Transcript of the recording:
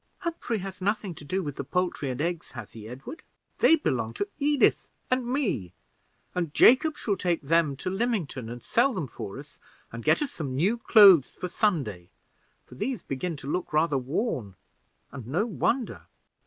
"Humphrey has nothing to do with the poultry and eggs, has he, Edward? they belong to Edith and me, and Jacob shall take them to Lymington and sell them for us, and get us some new clothes for Sunday, for these begin to look rather worn and no wonder."